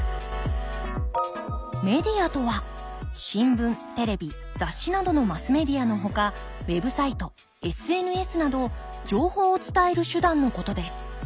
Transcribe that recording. メディアとは新聞テレビ雑誌などのマスメディアのほかウェブサイトＳＮＳなど情報を伝える手段のことです。